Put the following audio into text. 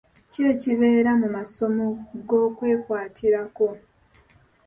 Ki ekibeera mu masomo g'okwekwatirako?